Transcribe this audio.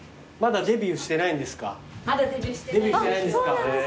デビューしてないんですか。